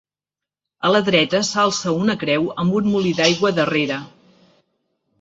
A la dreta s'alça una creu amb un molí d'aigua darrere.